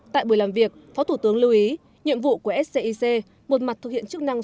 tại buổi làm việc phó thủ tướng lưu ý nhiệm vụ của scic một mặt thực hiện chức năng